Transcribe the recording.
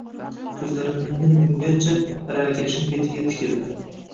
Ko`zlarimni nim yumgancha, aravakashning betiga tikildim